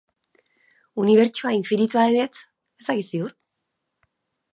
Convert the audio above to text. Unibertsoa infinitua denetz ez dakit ziur.